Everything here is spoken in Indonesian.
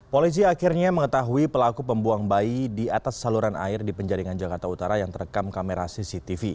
polisi akhirnya mengetahui pelaku pembuang bayi di atas saluran air di penjaringan jakarta utara yang terekam kamera cctv